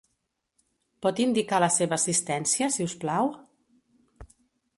Pot indicar la seva assistència, si us plau?